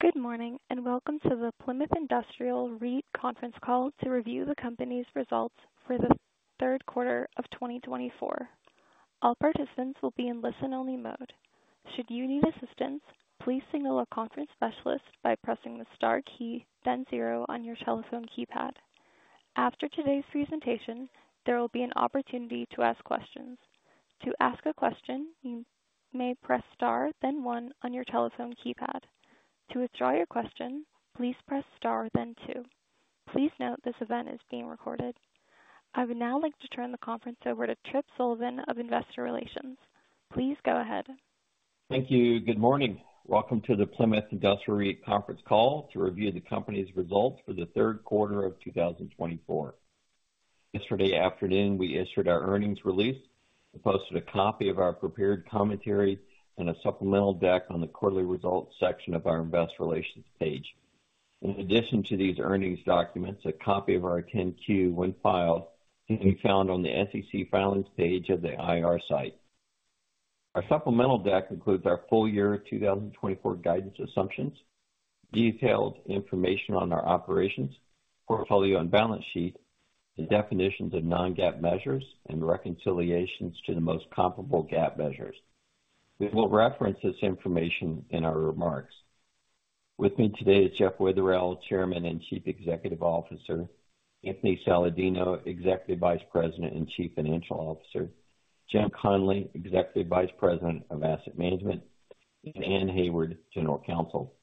Good morning, and welcome to the Plymouth Industrial REIT conference call to review the company's results for the third quarter of 2024. All participants will be in listen-only mode. Should you need assistance, please signal a conference specialist by pressing the star key, then zero, on your telephone keypad. After today's presentation, there will be an opportunity to ask questions. To ask a question, you may press star, then one, on your telephone keypad. To withdraw your question, please press star, then two. Please note this event is being recorded. I would now like to turn the conference over to Tripp Sullivan of Investor Relations. Please go ahead. Thank you. Good morning. Welcome to the Plymouth Industrial REIT conference call to review the company's results for the third quarter of 2024. Yesterday afternoon, we issued our earnings release, posted a copy of our prepared commentary, and a supplemental deck on the quarterly results section of our Investor Relations page. In addition to these earnings documents, a copy of our 10-Q when filed can be found on the SEC filings page of the IR site. Our supplemental deck includes our full year 2024 guidance assumptions, detailed information on our operations, portfolio and balance sheet, the definitions of non-GAAP measures, and reconciliations to the most comparable GAAP measures. We will reference this information in our remarks. With me today is Jeff Witherell, Chairman and Chief Executive Officer, Anthony Saladino, Executive Vice President and Chief Financial Officer, Jim Connolly, Executive Vice President of Asset Management, and Anne Hayward, General Counsel.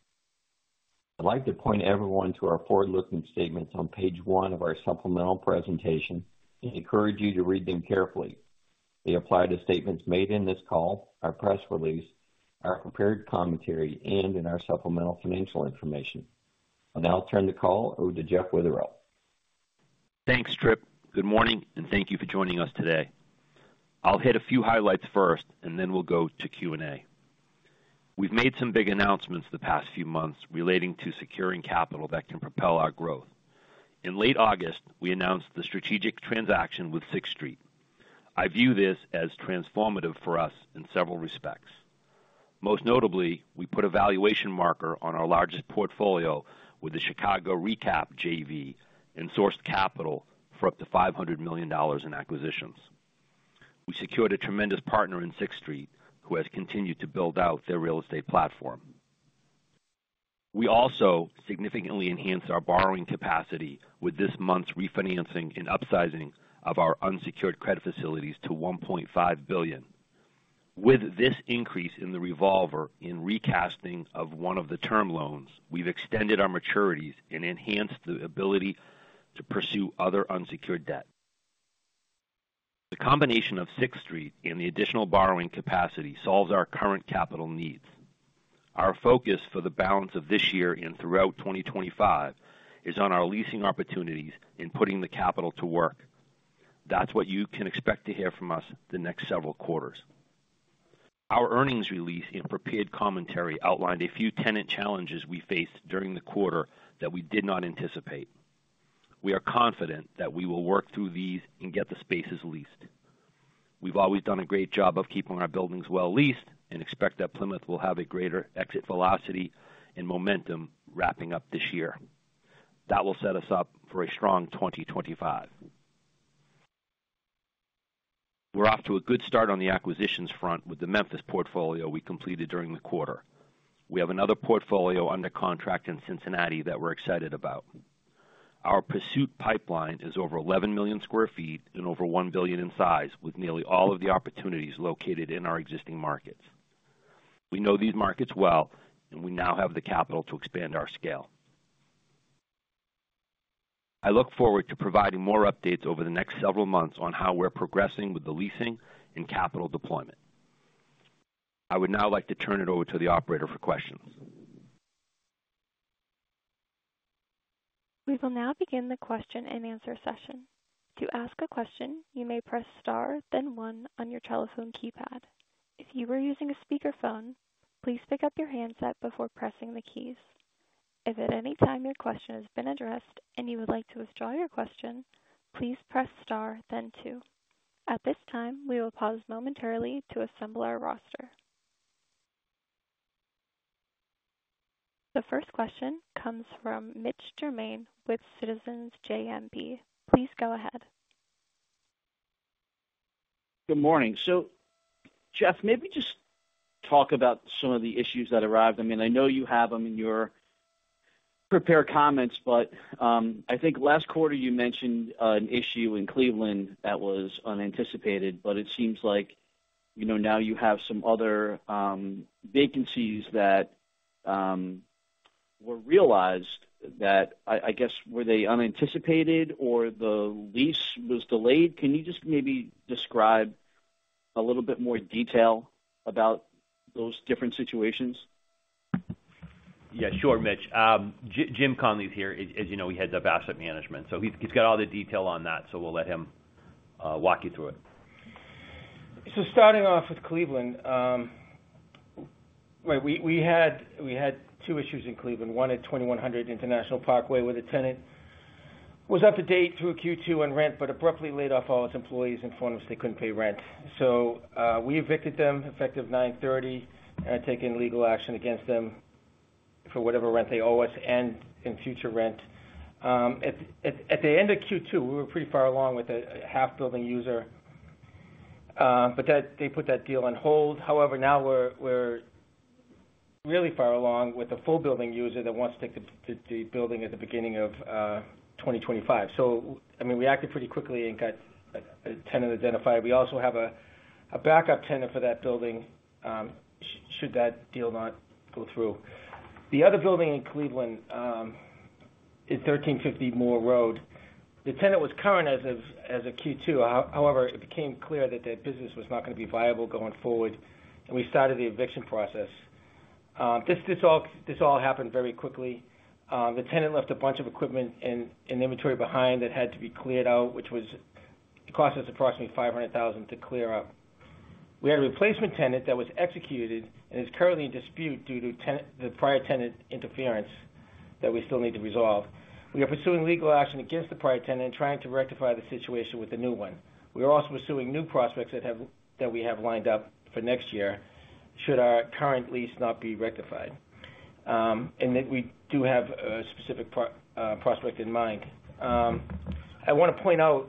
I'd like to point everyone to our forward-looking statements on page one of our supplemental presentation and encourage you to read them carefully. They apply to statements made in this call, our press release, our prepared commentary, and in our supplemental financial information. I'll now turn the call over to Jeff Witherell. Thanks, Tripp. Good morning, and thank you for joining us today. I'll hit a few highlights first, and then we'll go to Q&A. We've made some big announcements the past few months relating to securing capital that can propel our growth. In late August, we announced the strategic transaction with Sixth Street. I view this as transformative for us in several respects. Most notably, we put a valuation marker on our largest portfolio with the Chicago recap JV and sourced capital for up to $500 million in acquisitions. We secured a tremendous partner in Sixth Street, who has continued to build out their real estate platform. We also significantly enhanced our borrowing capacity with this month's refinancing and upsizing of our unsecured credit facilities to $1.5 billion. With this increase in the revolver and recasting of one of the term loans, we've extended our maturities and enhanced the ability to pursue other unsecured debt. The combination of Sixth Street and the additional borrowing capacity solves our current capital needs. Our focus for the balance of this year and throughout 2025 is on our leasing opportunities and putting the capital to work. That's what you can expect to hear from us the next several quarters. Our earnings release and prepared commentary outlined a few tenant challenges we faced during the quarter that we did not anticipate. We are confident that we will work through these and get the spaces leased. We've always done a great job of keeping our buildings well leased and expect that Plymouth will have a greater exit velocity and momentum wrapping up this year. That will set us up for a strong 2025. We're off to a good start on the acquisitions front with the Memphis portfolio we completed during the quarter. We have another portfolio under contract in Cincinnati that we're excited about. Our pursuit pipeline is over 11 million sq ft and over $1 billion in size, with nearly all of the opportunities located in our existing markets. We know these markets well, and we now have the capital to expand our scale. I look forward to providing more updates over the next several months on how we're progressing with the leasing and capital deployment. I would now like to turn it over to the operator for questions. We will now begin the question and answer session. To ask a question, you may press star, then one, on your telephone keypad. If you are using a speakerphone, please pick up your handset before pressing the keys. If at any time your question has been addressed and you would like to withdraw your question, please press star, then two. At this time, we will pause momentarily to assemble our roster. The first question comes from Mitch Germain with Citizens JMP. Please go ahead. Good morning. So, Jeff, maybe just talk about some of the issues that arrived? I mean, I know you have them in your prepared comments, but I think last quarter you mentioned an issue in Cleveland that was unanticipated, but it seems like now you have some other vacancies that were realized. I guess, were they unanticipated or the lease was delayed? Can you just maybe describe a little bit more detail about those different situations? Yeah, sure, Mitch. Jim Connolly's here. As you know, he heads up asset management. So he's got all the detail on that, so we'll let him walk you through it. So starting off with Cleveland, we had two issues in Cleveland. One at 2100 International Parkway, where the tenant was up to date through Q2 on rent, but abruptly laid off all its employees and informed us they couldn't pay rent. So we evicted them effective 9/30, and I've taken legal action against them for whatever rent they owe us and in future rent. At the end of Q2, we were pretty far along with a half-building user, but they put that deal on hold. However, now we're really far along with a full-building user that wants to take the building at the beginning of 2025. So, I mean, we acted pretty quickly and got a tenant identified. We also have a backup tenant for that building should that deal not go through. The other building in Cleveland is 1350 Moore Road. The tenant was current as of Q2. However, it became clear that their business was not going to be viable going forward, and we started the eviction process. This all happened very quickly. The tenant left a bunch of equipment and inventory behind that had to be cleared out, which cost us approximately $500,000 to clear up. We had a replacement tenant that was executed and is currently in dispute due to the prior tenant interference that we still need to resolve. We are pursuing legal action against the prior tenant and trying to rectify the situation with the new one. We are also pursuing new prospects that we have lined up for next year should our current lease not be rectified. And we do have a specific prospect in mind. I want to point out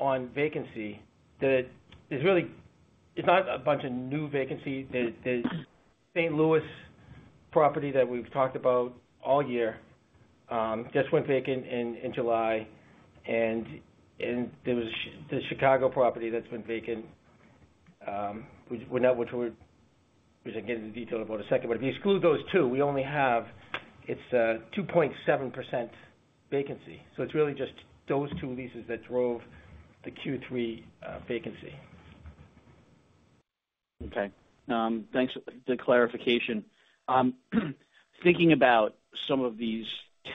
on vacancy that it's not a bunch of new vacancy. There's St. Louis property that we've talked about all year. That went vacant in July, and there was the Chicago property that's been vacant, which we'll get into detail about in a second, but if you exclude those two, we only have 2.7% vacancy, so it's really just those two leases that drove the Q3 vacancy. Okay. Thanks for the clarification. Thinking about some of these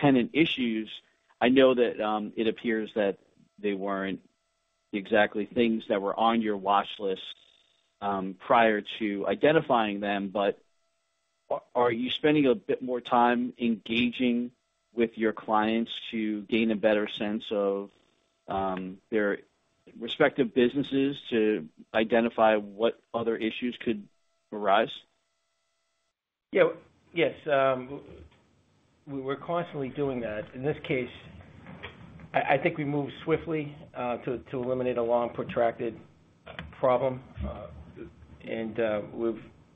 tenant issues, I know that it appears that they weren't exactly things that were on your watch list prior to identifying them, but are you spending a bit more time engaging with your clients to gain a better sense of their respective businesses to identify what other issues could arise? Yeah. Yes. We're constantly doing that. In this case, I think we moved swiftly to eliminate a long, protracted problem, and we're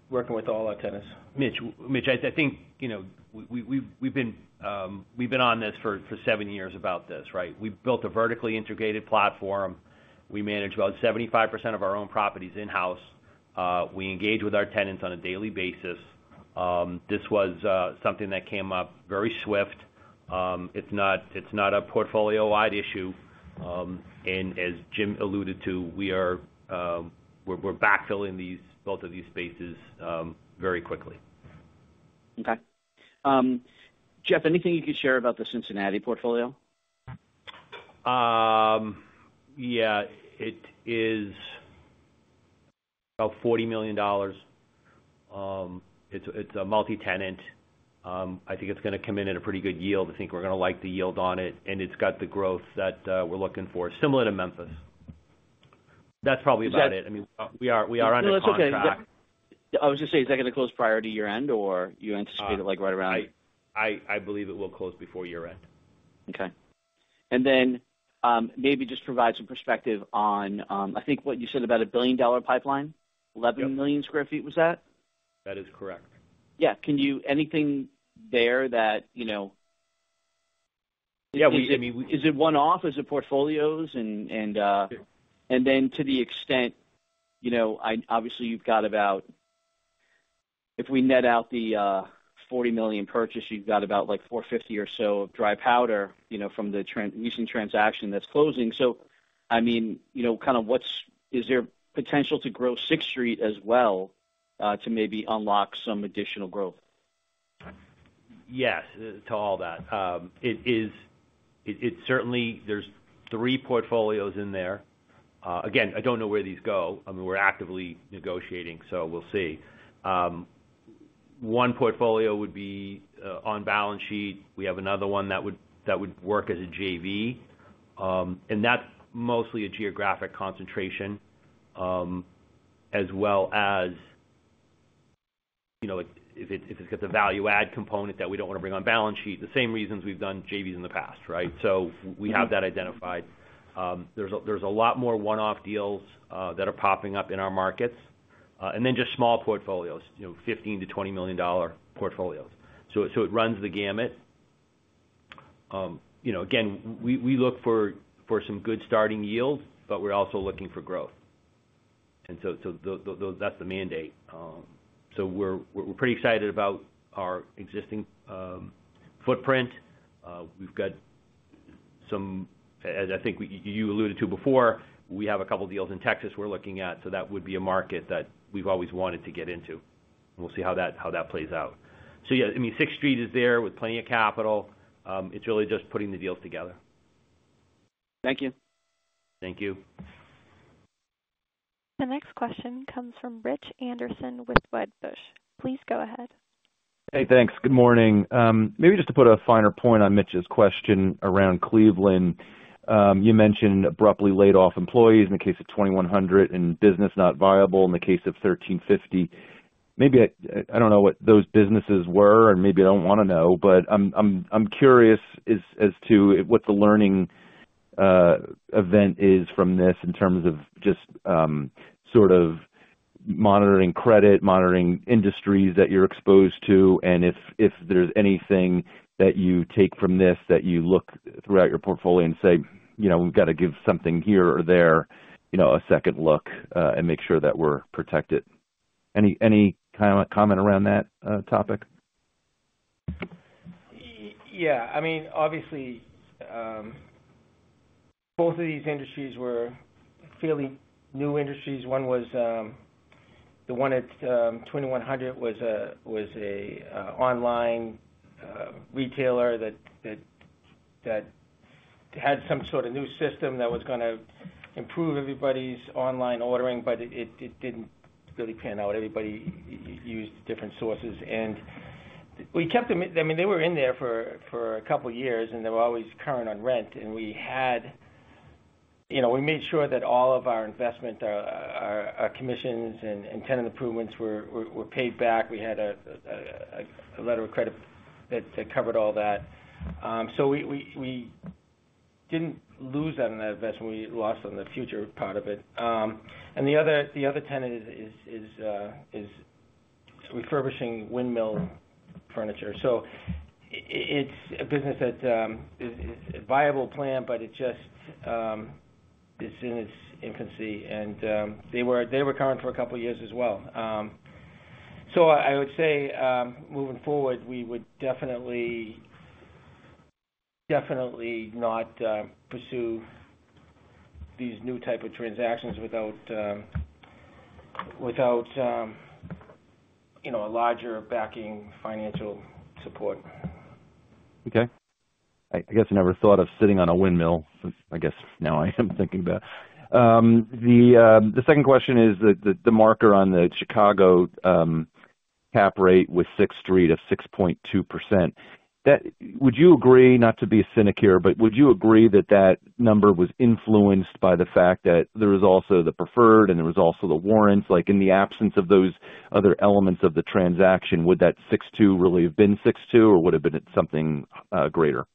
working with all our tenants. Mitch, I think we've been on this for seven years about this, right? We've built a vertically integrated platform. We manage about 75% of our own properties in-house. We engage with our tenants on a daily basis. This was something that came up very swiftly. It's not a portfolio-wide issue, and as Jim alluded to, we're backfilling both of these spaces very quickly. Okay. Jeff, anything you could share about the Cincinnati portfolio? Yeah. It is about $40 million. It's a multi-tenant. I think it's going to come in at a pretty good yield. I think we're going to like the yield on it. And it's got the growth that we're looking for, similar to Memphis. That's probably about it. I mean, we are on a close. No, that's okay. I was going to say, is that going to close prior to year-end, or you anticipate it right around? I believe it will close before year-end. Okay. And then maybe just provide some perspective on, I think, what you said about a billion-dollar pipeline. 11 million sq ft, was that? That is correct. Yeah. Anything there that? Yeah. I mean. Is it one-off? Is it portfolios? And then to the extent, obviously, you've got about, if we net out the $40 million purchase, you've got about $450 million or so of dry powder from the recent transaction that's closing. So, I mean, kind of is there potential to grow Sixth Street as well to maybe unlock some additional growth? Yes, to all that. There's three portfolios in there. Again, I don't know where these go. I mean, we're actively negotiating, so we'll see. One portfolio would be on balance sheet. We have another one that would work as a JV. And that's mostly a geographic concentration as well as if it's got the value-add component that we don't want to bring on balance sheet, the same reasons we've done JVs in the past, right? So we have that identified. There's a lot more one-off deals that are popping up in our markets. And then just small portfolios, $15 million-$20 million portfolios. So it runs the gamut. Again, we look for some good starting yield, but we're also looking for growth. And so that's the mandate. So we're pretty excited about our existing footprint. We've got some, as I think you alluded to before, we have a couple of deals in Texas we're looking at. So that would be a market that we've always wanted to get into. We'll see how that plays out. So, yeah, I mean, Sixth Street is there with plenty of capital. It's really just putting the deals together. Thank you. Thank you. The next question comes from Rich Anderson with Wedbush. Please go ahead. Hey, thanks. Good morning. Maybe just to put a finer point on Mitch's question around Cleveland, you mentioned abruptly laid-off employees in the case of 2100 and business not viable in the case of 1350. I don't know what those businesses were, and maybe I don't want to know, but I'm curious as to what the learning event is from this in terms of just sort of monitoring credit, monitoring industries that you're exposed to, and if there's anything that you take from this that you look throughout your portfolio and say, "We've got to give something here or there a second look and make sure that we're protected." Any comment around that topic? Yeah. I mean, obviously, both of these industries were fairly new industries. One was the one at 2100 was an online retailer that had some sort of new system that was going to improve everybody's online ordering, but it didn't really pan out. Everybody used different sources. And we kept them. I mean, they were in there for a couple of years, and they were always current on rent. And we made sure that all of our investment, our commissions, and tenant improvements were paid back. We had a letter of credit that covered all that. So we didn't lose on that investment. We lost on the future part of it. And the other tenant is refurbishing windmill furniture. So it's a business that is a viable plan, but it just is in its infancy. And they were current for a couple of years as well. I would say, moving forward, we would definitely not pursue these new types of transactions without a larger backing financial support. Okay. I guess I never thought of sitting on a windmill. I guess now I am thinking about it. The second question is the marker on the Chicago cap rate with Sixth Street of 6.2%. Would you agree not to be a cynic here, but would you agree that that number was influenced by the fact that there was also the preferred and there was also the warrants? In the absence of those other elements of the transaction, would that 6.2 really have been 6.2, or would it have been something greater?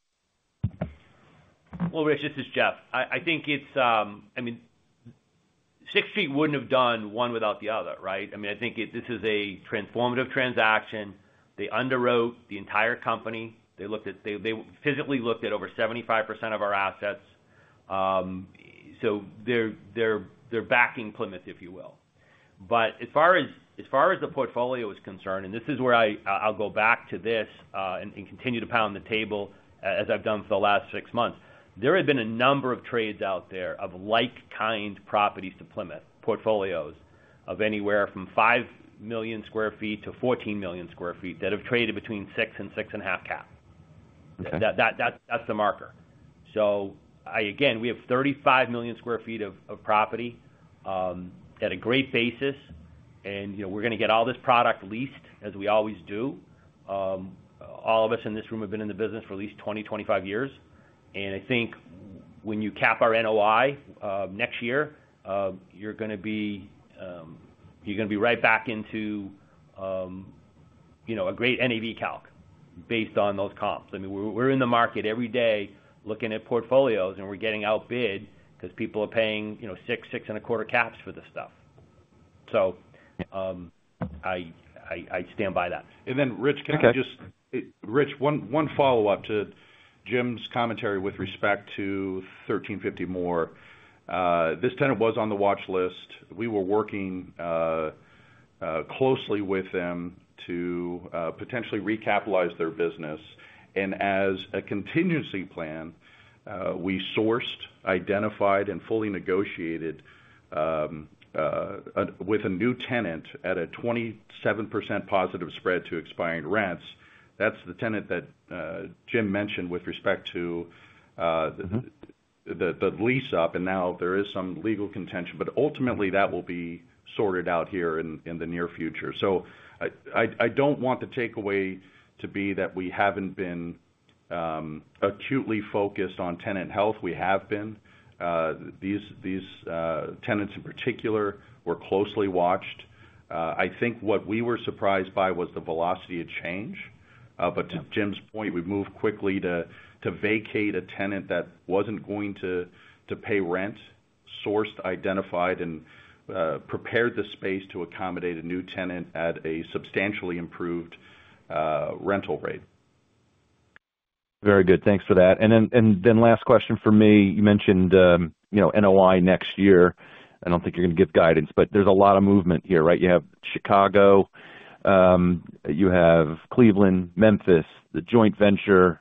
Well, Rich, this is Jeff. I mean, Sixth Street wouldn't have done one without the other, right? I mean, I think this is a transformative transaction. They underwrote the entire company. They physically looked at over 75% of our assets. So they're backing Plymouth, if you will. But as far as the portfolio is concerned, and this is where I'll go back to this and continue to pound the table as I've done for the last six months, there have been a number of trades out there of like-kind properties to Plymouth portfolios of anywhere from 5 million sq ft to 14 million sq ft that have traded between 6 and 6 and a half cap. That's the marker. So, again, we have 35 million sq ft of property at a great basis. And we're going to get all this product leased, as we always do. All of us in this room have been in the business for at least 20, 25 years, and I think when you cap our NOI next year, you're going to be right back into a great NAV calc based on those comps. I mean, we're in the market every day looking at portfolios, and we're getting outbid because people are paying 6, 6 and a quarter caps for this stuff, so I stand by that. And then, Rich, can I just, Rich, one follow-up to Jim's commentary with respect to 1350 Moore. This tenant was on the watch list. We were working closely with them to potentially recapitalize their business. And as a contingency plan, we sourced, identified, and fully negotiated with a new tenant at a 27% positive spread to expiring rents. That's the tenant that Jim mentioned with respect to the lease up. And now there is some legal contention, but ultimately, that will be sorted out here in the near future. So I don't want the takeaway to be that we haven't been acutely focused on tenant health. We have been. These tenants, in particular, were closely watched. I think what we were surprised by was the velocity of change. But to Jim's point, we moved quickly to vacate a tenant that wasn't going to pay rent, sourced, identified, and prepared the space to accommodate a new tenant at a substantially improved rental rate. Very good. Thanks for that. And then last question for me. You mentioned NOI next year. I don't think you're going to give guidance, but there's a lot of movement here, right? You have Chicago, you have Cleveland, Memphis, the joint venture,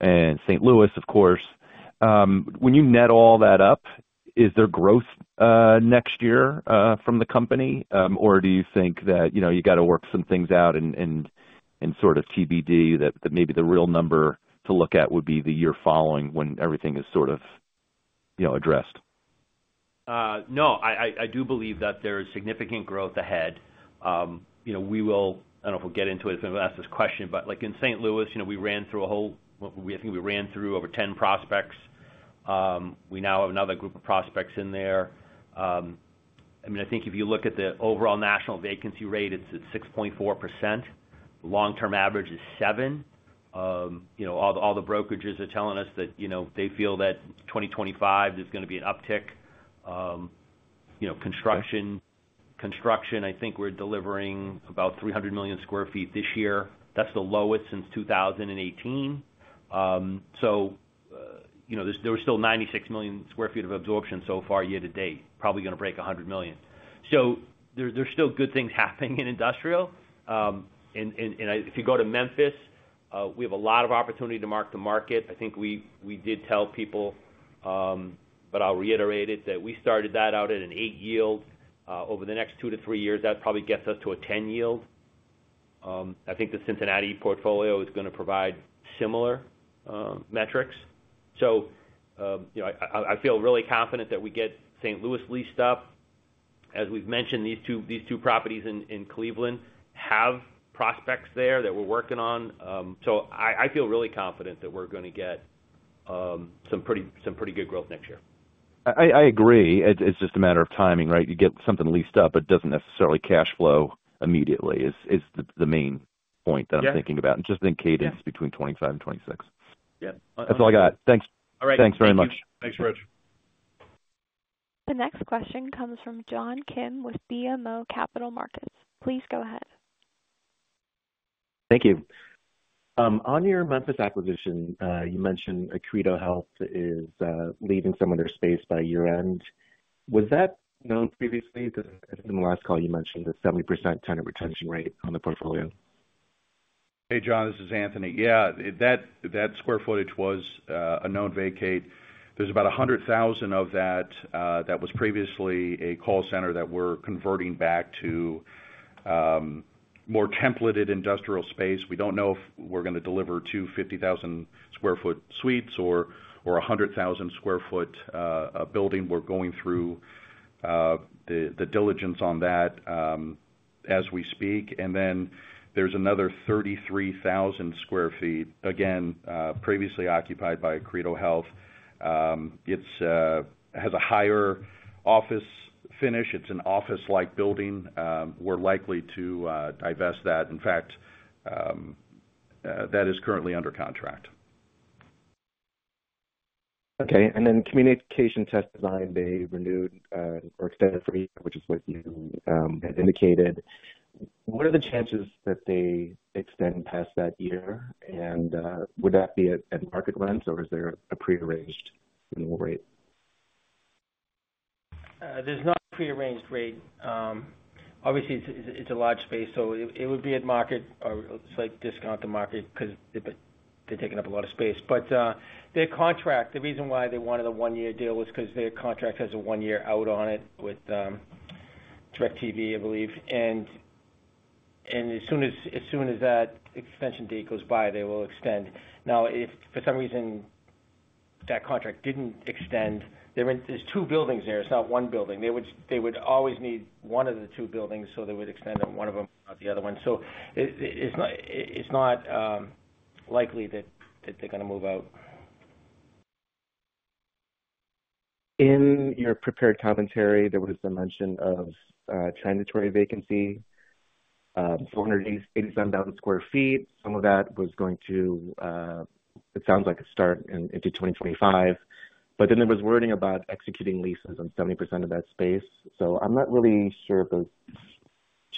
and St. Louis, of course. When you net all that up, is there growth next year from the company, or do you think that you got to work some things out and sort of TBD that maybe the real number to look at would be the year following when everything is sort of addressed? No, I do believe that there is significant growth ahead. I don't know if we'll get into it if anyone asks this question, but in St. Louis, we ran through a whole, I think we ran through over 10 prospects. We now have another group of prospects in there. I mean, I think if you look at the overall national vacancy rate, it's 6.4%. The long-term average is 7%. All the brokerages are telling us that they feel that 2025 is going to be an uptick. Construction, I think we're delivering about 300 million sq ft this year. That's the lowest since 2018. So there was still 96 million sq ft of absorption so far year to date. Probably going to break 100 million sq ft. So there's still good things happening in industrial, and if you go to Memphis, we have a lot of opportunity to mark the market. I think we did tell people, but I'll reiterate it, that we started that out at an 8 yield. Over the next two to three years, that probably gets us to a 10 yield. I think the Cincinnati portfolio is going to provide similar metrics. So I feel really confident that we get St. Louis leased up. As we've mentioned, these two properties in Cleveland have prospects there that we're working on. So I feel really confident that we're going to get some pretty good growth next year. I agree. It's just a matter of timing, right? You get something leased up, but it doesn't necessarily cash flow immediately, is the main point that I'm thinking about. Just in cadence between 2025 and 2026. That's all I got. Thanks. Thanks very much. All right. Thank you. Thanks, Rich. The next question comes from John Kim with BMO Capital Markets. Please go ahead. Thank you. On your Memphis acquisition, you mentioned Accredo Health is leaving some of their space by year-end. Was that known previously? I think in the last call, you mentioned a 70% tenant retention rate on the portfolio. Hey, John, this is Anthony. Yeah, that square footage was a known vacate. There's about 100,000 of that that was previously a call center that we're converting back to more templated industrial space. We don't know if we're going to deliver 250,000 sq ft suites or 100,000 sq ft building. We're going through the diligence on that as we speak. And then there's another 33,000 sq ft, again, previously occupied by Accredo Health. It has a higher office finish. It's an office-like building. We're likely to divest that. In fact, that is currently under contract. Okay. And then Communication Test Design, they renewed or extended for a year, which is what you had indicated. What are the chances that they extend past that year? And would that be at market rent, or is there a pre-arranged rate? There's not a pre-arranged rate. Obviously, it's a large space, so it would be at market or slight discount to market because they're taking up a lot of space. But their contract, the reason why they wanted a one-year deal was because their contract has a one-year out on it with DirecTV, I believe. And as soon as that extension date goes by, they will extend. Now, if for some reason that contract didn't extend, there's two buildings there. It's not one building. They would always need one of the two buildings, so they would extend on one of them and not the other one. So it's not likely that they're going to move out. In your prepared commentary, there was a mention of transitory vacancy, 487,000 sq ft. Some of that was going to, it sounds like, start into 2025. But then there was wording about executing leases on 70% of that space. So I'm not really sure if those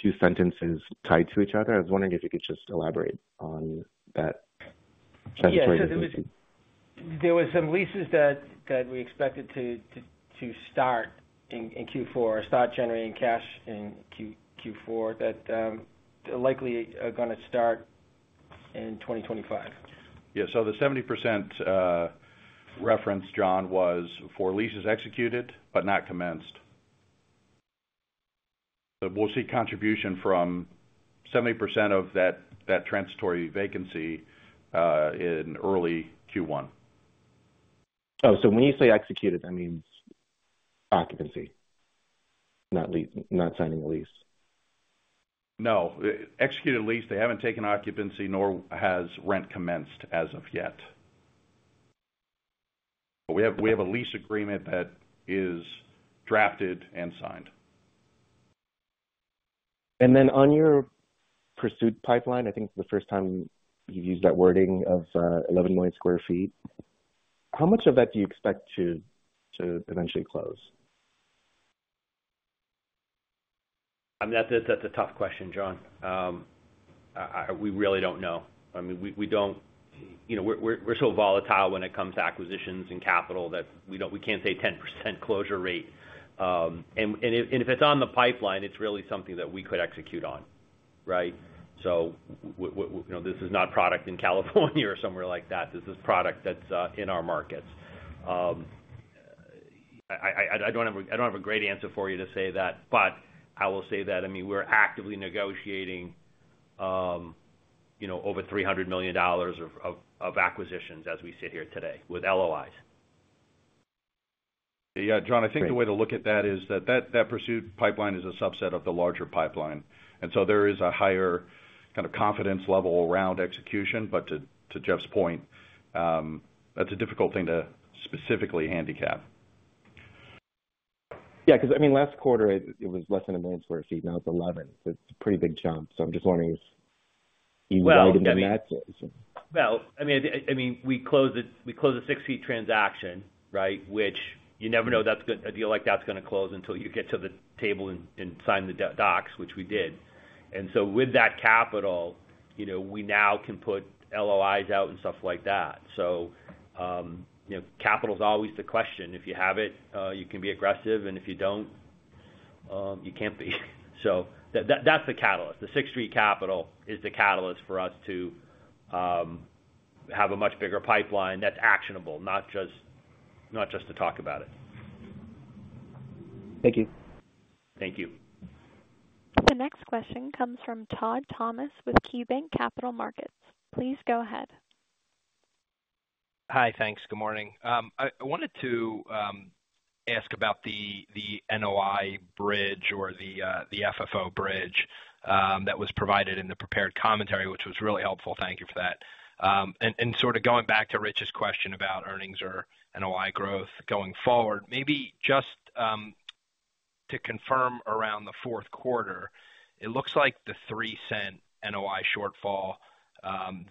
two sentences tied to each other. I was wondering if you could just elaborate on that transitory vacancy? Yeah, because there were some leases that we expected to start in Q4 or start generating cash in Q4 that are likely going to start in 2025. Yeah. So the 70% reference, John, was for leases executed but not commenced. But we'll see contribution from 70% of that transitory vacancy in early Q1. Oh, so when you say executed, I mean occupancy, not signing a lease? No. Executed lease, they haven't taken occupancy, nor has rent commenced as of yet. But we have a lease agreement that is drafted and signed. And then on your pursuit pipeline, I think the first time you've used that wording of 11 million sq ft, how much of that do you expect to eventually close? That's a tough question, John. We really don't know. I mean, we don't, we're so volatile when it comes to acquisitions and capital that we can't say 10% closure rate. And if it's on the pipeline, it's really something that we could execute on, right? So this is not product in California or somewhere like that. This is product that's in our markets. I don't have a great answer for you to say that, but I will say that, I mean, we're actively negotiating over $300 million of acquisitions as we sit here today with LOIs. Yeah, John, I think the way to look at that is that that pursuit pipeline is a subset of the larger pipeline. And so there is a higher kind of confidence level around execution. But to Jeff's point, that's a difficult thing to specifically handicap. Yeah, because, I mean, last quarter, it was less than 1 million sq ft. Now it's 11. So it's a pretty big jump. So I'm just wondering if you widened that. I mean, we closed a $60 million transaction, right, which you never know a deal like that's going to close until you get to the table and sign the docs, which we did. With that capital, we now can put LOIs out and stuff like that. Capital is always the question. If you have it, you can be aggressive. If you don't, you can't be. That's the catalyst. The Sixth Street capital is the catalyst for us to have a much bigger pipeline that's actionable, not just to talk about it. Thank you. Thank you. The next question comes from Todd Thomas with KeyBank Capital Markets. Please go ahead. Hi, thanks. Good morning. I wanted to ask about the NOI bridge or the FFO bridge that was provided in the prepared commentary, which was really helpful. Thank you for that, and sort of going back to Rich's question about earnings or NOI growth going forward, maybe just to confirm around the fourth quarter, it looks like the $0.03 NOI shortfall,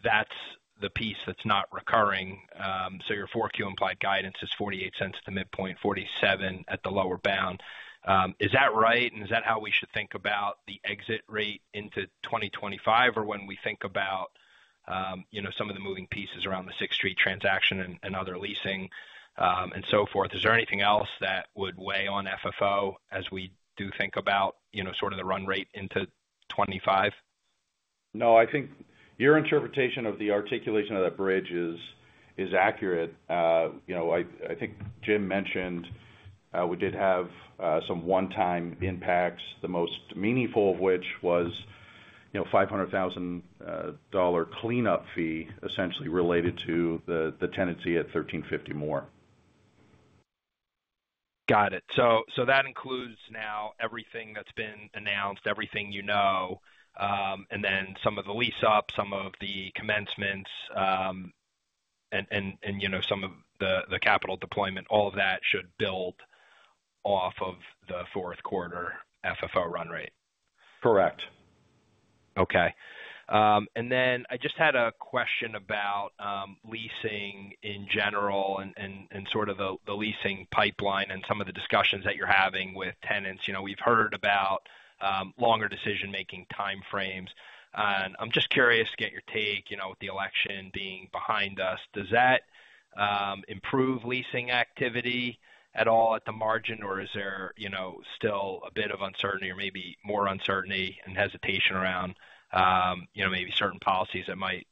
that's the piece that's not recurring. So your 4Q implied guidance is $0.48 to midpoint, $0.47 at the lower bound. Is that right, and is that how we should think about the exit rate into 2025 or when we think about some of the moving pieces around the Sixth Street transaction and other leasing and so forth? Is there anything else that would weigh on FFO as we do think about sort of the run rate into 2025? No, I think your interpretation of the articulation of that bridge is accurate. I think Jim mentioned we did have some one-time impacts, the most meaningful of which was a $500,000 cleanup fee essentially related to the tenancy at 1350 Moore. Got it. So that includes now everything that's been announced, everything you know, and then some of the lease up, some of the commencements, and some of the capital deployment. All of that should build off of the fourth quarter FFO run rate. Correct. Okay. And then I just had a question about leasing in general and sort of the leasing pipeline and some of the discussions that you're having with tenants. We've heard about longer decision-making time frames. And I'm just curious to get your take with the election being behind us. Does that improve leasing activity at all at the margin, or is there still a bit of uncertainty or maybe more uncertainty and hesitation around maybe certain policies that might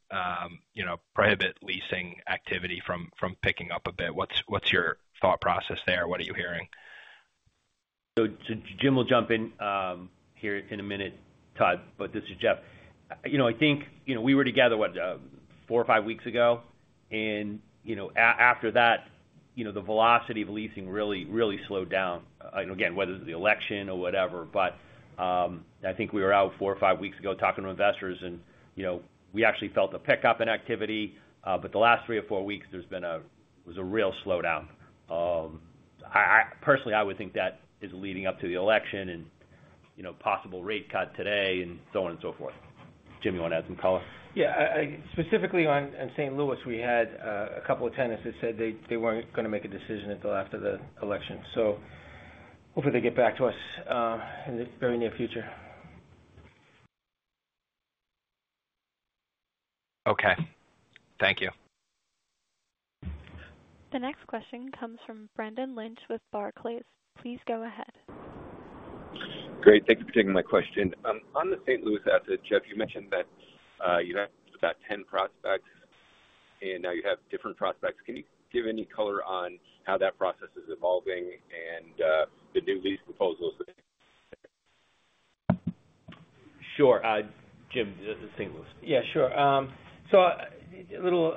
prohibit leasing activity from picking up a bit? What's your thought process there? What are you hearing? So Jim will jump in here in a minute, Todd, but this is Jeff. I think we were together what, four or five weeks ago. And after that, the velocity of leasing really slowed down, again, whether it was the election or whatever. But I think we were out four or five weeks ago talking to investors, and we actually felt a pickup in activity. But the last three or four weeks, there's been a real slowdown. Personally, I would think that is leading up to the election and possible rate cut today and so on and so forth. Jim, you want to add some color? Yeah. Specifically on St. Louis, we had a couple of tenants that said they weren't going to make a decision until after the election, so hopefully, they get back to us in the very near future. Okay. Thank you. The next question comes from Brendan Lynch with Barclays. Please go ahead. Great. Thank you for taking my question. On the St. Louis asset, Jeff, you mentioned that you have about 10 prospects, and now you have different prospects. Can you give any color on how that process is evolving and the new lease proposals? Sure. Jim, St. Louis. Yeah, sure. So a little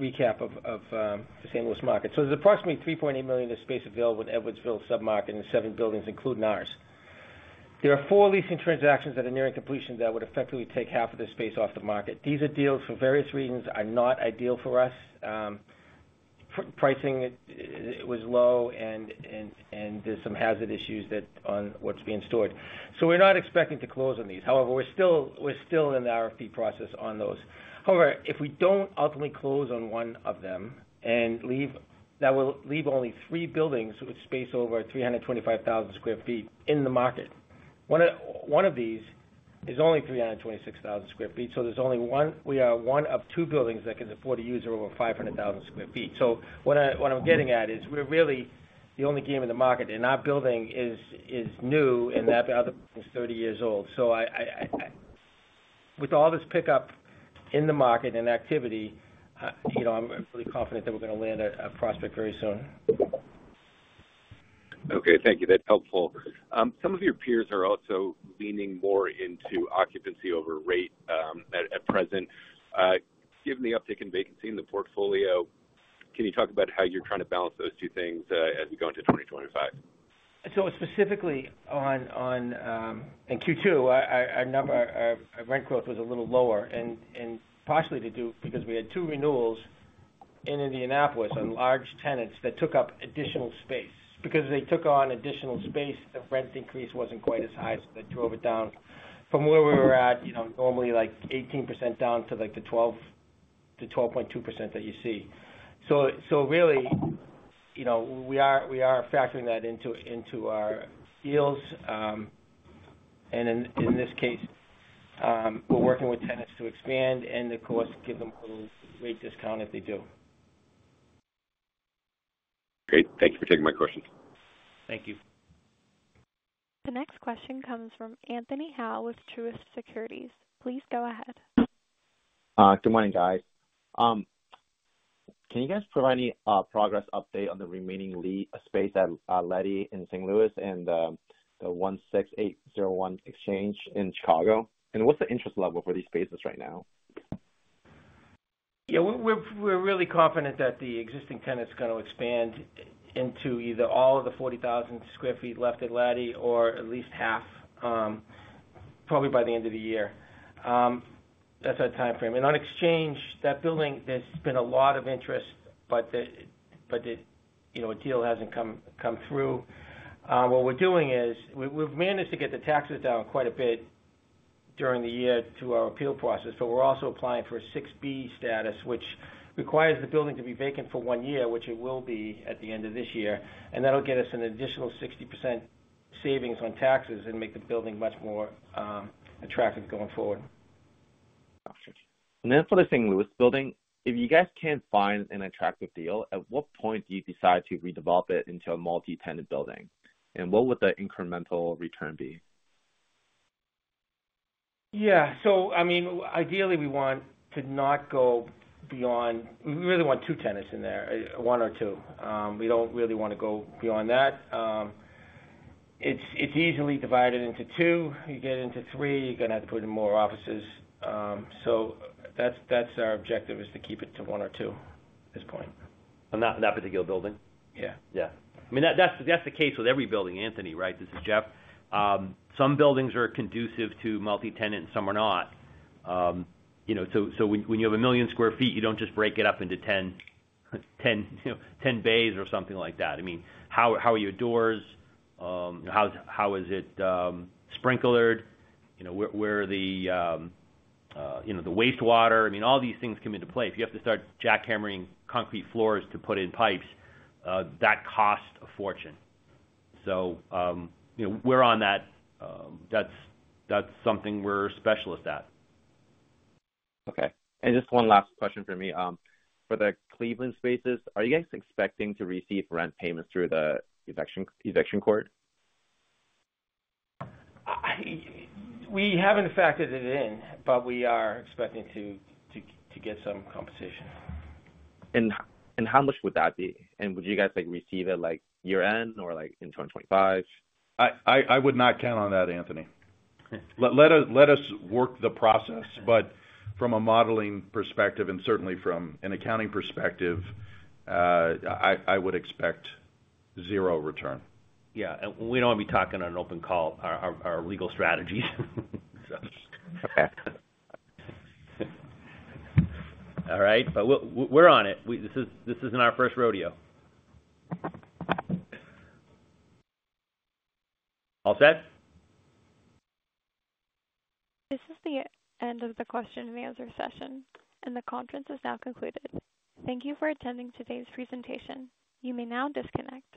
recap of the St. Louis market. So there's approximately 3.8 million sq ft of space available in Edwardsville sub-market and 7 buildings, including ours. There are four leasing transactions that are nearing completion that would effectively take half of the space off the market. These are deals for various reasons. They are not ideal for us. Pricing was low, and there's some hazard issues on what's being stored. So we're not expecting to close on these. However, we're still in the RFP process on those. However, if we don't ultimately close on one of them and leave, that will leave only three buildings with space over 325,000 sq ft in the market. One of these is only 326,000 sq ft. So there's only one. We are one of two buildings that can afford to use over 500,000 sq ft. So what I'm getting at is we're really the only game in the market. And our building is new, and that other building is 30 years old. So with all this pickup in the market and activity, I'm really confident that we're going to land a prospect very soon. Okay. Thank you. That's helpful. Some of your peers are also leaning more into occupancy over rate at present. Given the uptick in vacancy in the portfolio, can you talk about how you're trying to balance those two things as we go into 2025? So specifically on Q2, our rent growth was a little lower. And partially to do because we had two renewals in Indianapolis on large tenants that took up additional space. Because they took on additional space, the rent increase wasn't quite as high, so that drove it down from where we were at normally like 18% down to the 12.2% that you see. So really, we are factoring that into our deals. And in this case, we're working with tenants to expand and, of course, give them a little rate discount if they do. Great. Thank you for taking my questions. Thank you. The next question comes from Anthony Hau with Truist Securities. Please go ahead. Good morning, guys. Can you guys provide any progress update on the remaining space at Latty in St. Louis and the 16801 Exchange in Chicago? And what's the interest level for these spaces right now? Yeah. We're really confident that the existing tenants are going to expand into either all of the 40,000 sq ft left at Latty or at least half, probably by the end of the year. That's our time frame, and on Exchange, that building, there's been a lot of interest, but a deal hasn't come through. What we're doing is we've managed to get the taxes down quite a bit during the year through our appeal process, but we're also applying for a 6B status, which requires the building to be vacant for one year, which it will be at the end of this year, and that'll get us an additional 60% savings on taxes and make the building much more attractive going forward. And then for the St. Louis building, if you guys can't find an attractive deal, at what point do you decide to redevelop it into a multi-tenant building? And what would the incremental return be? Yeah, so I mean, ideally, we want to not go beyond, we really want two tenants in there, one or two. We don't really want to go beyond that. It's easily divided into two. You get into three, you're going to have to put in more offices. So that's our objective, is to keep it to one or two at this point. On that particular building? Yeah. Yeah. I mean, that's the case with every building, Anthony, right? This is Jeff. Some buildings are conducive to multi-tenant and some are not. So when you have a million sq ft, you don't just break it up into 10 bays or something like that. I mean, how are your doors? How is it sprinklered? Where are the wastewater? I mean, all these things come into play. If you have to start jackhammering concrete floors to put in pipes, that costs a fortune. So we're on that. That's something we're specialists at. Okay. And just one last question for me. For the Cleveland spaces, are you guys expecting to receive rent payments through the eviction court? We haven't factored it in, but we are expecting to get some disposition. And how much would that be? And would you guys receive it year-end or in 2025? I would not count on that, Anthony. Let us work the process. But from a modeling perspective and certainly from an accounting perspective, I would expect zero return. Yeah. And we don't want to be talking on an open call. Our legal strategies, so. Okay. All right. But we're on it. This isn't our first rodeo. All set? This is the end of the question and answer session, and the conference is now concluded. Thank you for attending today's presentation. You may now disconnect.